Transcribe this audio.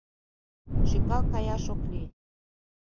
Шӱкал каяш ок лий.